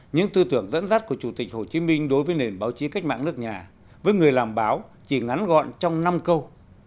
những tư tưởng dẫn dắt của chủ tịch hồ chí minh đối với nền báo chí cách mạng nước nhà với người làm báo chỉ ngắn gọn trong năm câu